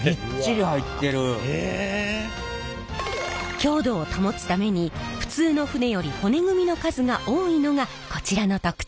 強度を保つために普通の船より骨組みの数が多いのがこちらの特徴。